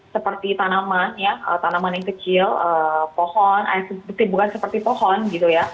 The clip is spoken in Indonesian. seperti tanaman ya tanaman yang kecil pohon bukan seperti pohon gitu ya